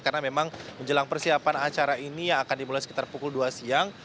karena memang menjelang persiapan acara ini yang akan dimulai sekitar pukul dua siang